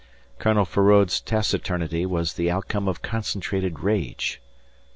Colonel Feraud's taciturnity was the outcome of concentrated rage.